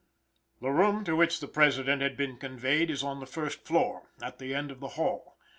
The room to which the President had been conveyed is on the first floor, at the end of the hall.